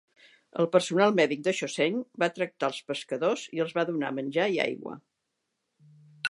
El personal mèdic del "Chosin" va tractar els pescadors i els va donar menjar i aigua.